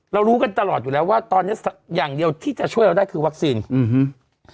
รู้กันตลอดอยู่แล้วว่าตอนเนี้ยอย่างเดียวที่จะช่วยเราได้คือวัคซีนอืม